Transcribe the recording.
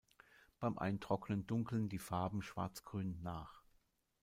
Beim Eintrocknen dunkeln die Farben schwarzgrün nach.